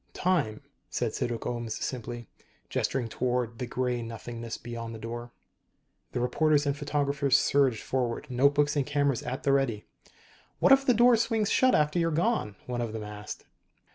"Time," said Cydwick Ohms simply, gesturing toward the gray nothingness beyond the door. The reporters and photographers surged forward, notebooks and cameras at the ready. "What if the door swings shut after you're gone?" one of them asked.